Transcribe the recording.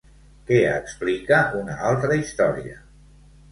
Què explica una altra història?